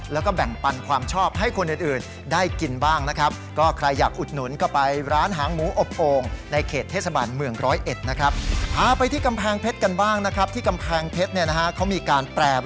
แล้วก็แบ่งปันความชอบให้คนอื่นได้กินบ้างนะครับ